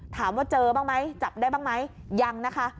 ถามว่าเจอบ้างไหมจับได้บ้างไหมยังนะคะ